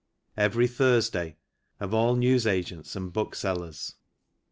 EVERY THURSDAY of all Newsagents and Booksellers.